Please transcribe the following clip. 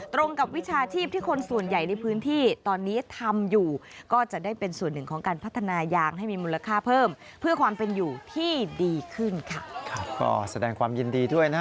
ตรงกับวิชาชีพที่คนส่วนใหญ่